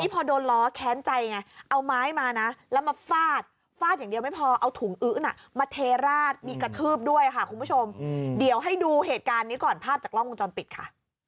พอโดนล้อแค้นใจไงเอาไม้มานะแล้วมาฟาดฟาดอย่างเดียวไม่พอเอาถุงอื้อน่ะมาเทราดมีกระทืบด้วยค่ะคุณผู้ชมเดี๋ยวให้ดูเหตุการณ์นี้ก่อนภาพจากกล้องวงจรปิดค่ะ